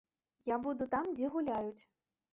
Я буду там, дзе гуляюць!